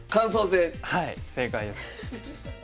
はい正解です。